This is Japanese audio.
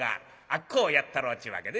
あっこをやったろうちゅうわけでね。